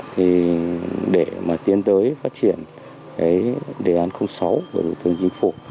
thì để mà tiến tới phát triển cái đề án sáu của thủ tướng chính phủ